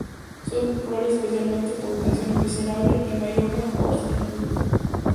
Son populares especialmente por sus canciones "Miserable" y "My Own Worst Enemy".